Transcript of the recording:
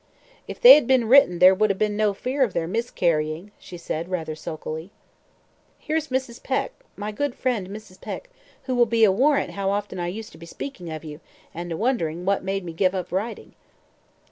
"If they had been written there would have been no fear of their miscarrying," said she rather sulkily. "Here's Mrs. Peck my good friend, Mrs. Peck who will be a warrant how often I used to be a speaking of you, and a wondering what made me give up writing."